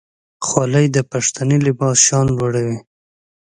خولۍ د پښتني لباس شان لوړوي.